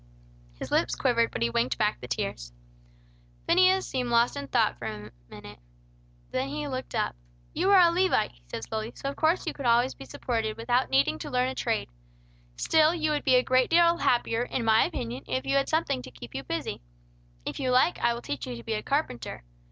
His lips quivered, but he winked back the tears. Phineas seemed lost in thought a few minutes; then he looked up. "You are a Levite," he said slowly, "so of course you could always be supported without needing to learn a trade. Still you would be a great deal happier, in my opinion, if you had something to keep you busy. If you like, I will teach you to be a carpenter.